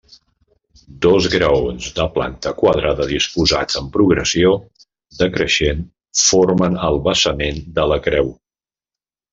Dos graons de planta quadrada disposats en progressió decreixent forment el basament de la creu.